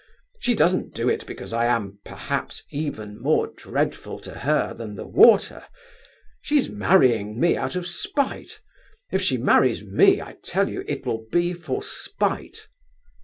She doesn't do it because I am, perhaps, even more dreadful to her than the water! She's marrying me out of spite; if she marries me, I tell you, it will be for spite!"